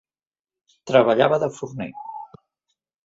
Treballava de forner.